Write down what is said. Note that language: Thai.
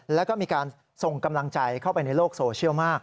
แล้วก็มีการส่งกำลังใจเข้าไปในโลกโซเชียลมาก